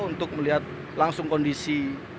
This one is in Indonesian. untuk melihat langsung kondisi